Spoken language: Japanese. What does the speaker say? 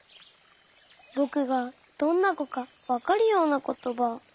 ぼくがどんなこかわかるようなことば。